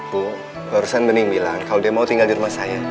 bu barusan bening bilang kalau dia mau tinggal di rumah saya